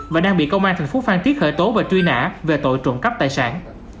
và đang bị công an thành phố phan thiết khởi tố và truy nã về tội trộm cắp tài sản